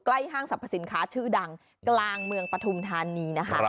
ห้างสรรพสินค้าชื่อดังกลางเมืองปฐุมธานีนะคะ